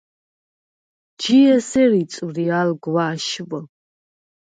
ჯი ესერ იწვრი ალ გვაშვ.